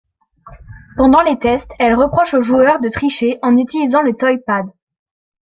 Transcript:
Pendant les tests, elle reproche au joueur de tricher en utilisant le toy pad.